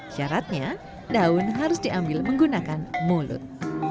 syaratnya daun harus diambil menggunakan mulut